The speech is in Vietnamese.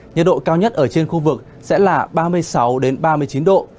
nhiệt độ cao nhất ở trên khu vực sẽ là ba mươi sáu ba mươi chín độ